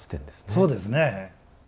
そうですね。